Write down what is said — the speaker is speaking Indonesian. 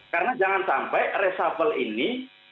karena jangan sampai resable ini